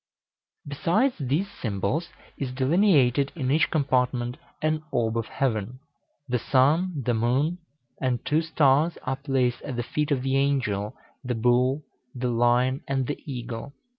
Besides these symbols is delineated in each compartment an orb of heaven. The sun, the moon, and two stars, are placed at the feet of the Angel, the Bull, the Lion, and the Eagle.